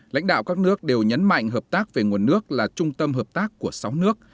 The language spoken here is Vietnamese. lãnh đạo các nước đều nhấn mạnh hợp tác về nguồn nước là trung tâm hợp tác của sáu nước